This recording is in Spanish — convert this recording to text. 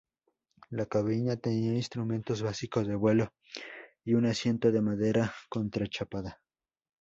La cabina tenía instrumentos básicos de vuelo y un asiento de madera contrachapada.